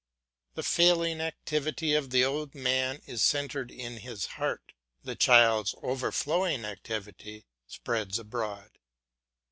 The failing activity of the old man is centred in his heart, the child's overflowing activity spreads abroad.